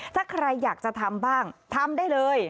ถ้าใครอยากจะทำบ้างทำได้เลย